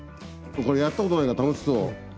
これやったことないから楽しそう。